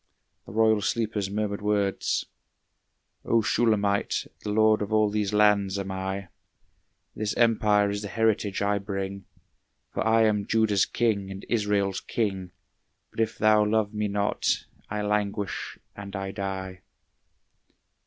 the royal sleeper's murmured words: "O Shulamite, the lord of all these lands am I, This empire is the heritage I bring, For I am Judah's king and Israel's king; But if thou love me not, I languish and I die."